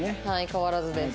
変わらずです。